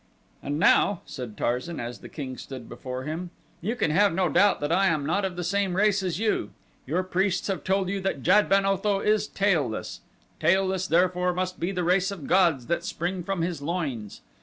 "And now," said Tarzan as the king stood before him, "you can have no doubt that I am not of the same race as you. Your priests have told you that Jad ben Otho is tailless. Tailless, therefore, must be the race of gods that spring from his loins.